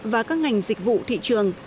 và các ngành dịch vụ thị trường